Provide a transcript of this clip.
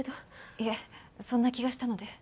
いえそんな気がしたので。